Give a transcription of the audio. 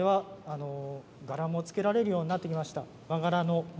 柄もつけられるようになってきました。